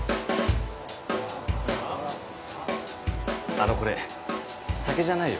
あのこれ酒じゃないよ